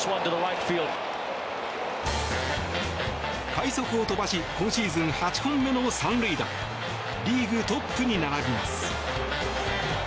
快足を飛ばし今シーズン８本目の３塁打リーグトップに並びます。